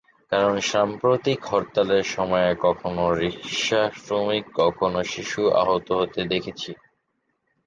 কারণ সাম্প্রতিক হরতালের সময়ে কখনো রিকশাশ্রমিক, কখনো শিশু আহত হতে দেখিছি।